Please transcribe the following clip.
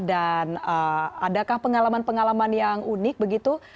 dan adakah pengalaman pengalaman yang unik begitu